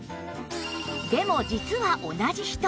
でも実は同じ人